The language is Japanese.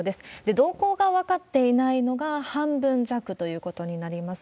動向が分かっていないのが半分弱ということになります。